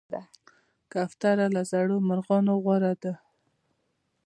کوتره له زرو مرغانو غوره ده.